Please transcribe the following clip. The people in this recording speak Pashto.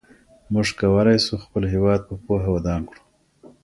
موږ کولای سو خپل هېواد په پوهه ودان کړو.